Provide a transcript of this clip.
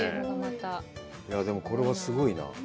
でも、これはすごいなぁ。